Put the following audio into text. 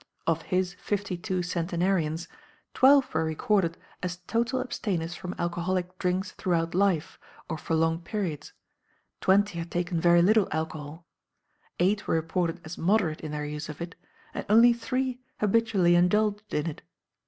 Of his fifty two centenarians, twelve were recorded as total abstainers from alcoholic drinks throughout life, or for long periods; twenty had taken very little alcohol; eight were reported as moderate in their use of it; and only three habitually indulged in it.